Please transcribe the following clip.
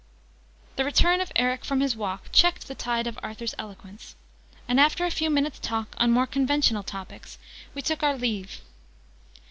The return of Eric from his walk checked the tide of Arthur's eloquence, and, after a few minutes' talk on more conventional topics, we took our leave.